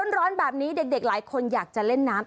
ร้อนแบบนี้เด็กหลายคนอยากจะเล่นน้ำ